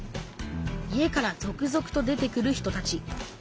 家から続々と出てくる人たち。